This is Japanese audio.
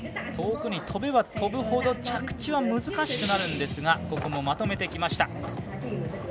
遠くに飛べば飛ぶほど着地は難しくなるんですがここもまとめてきました。